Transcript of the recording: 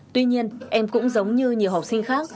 tuy nhiên em cũng giống như nhiều học sinh khác